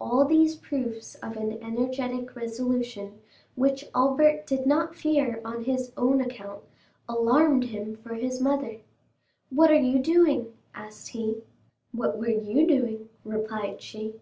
All these proofs of an energetic resolution, which Albert did not fear on his own account, alarmed him for his mother. "What are you doing?" asked he. "What were you doing?" replied she.